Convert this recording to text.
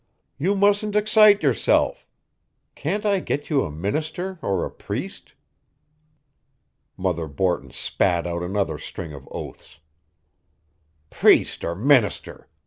"You mustn't excite yourself. Can't I get you a minister or a priest?" Mother Borton spat out another string of oaths. "Priest or minister!